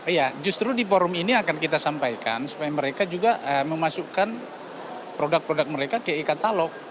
iya justru di forum ini akan kita sampaikan supaya mereka juga memasukkan produk produk mereka ke e katalog